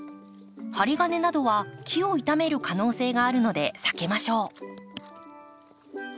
針金などは木を傷める可能性があるので避けましょう。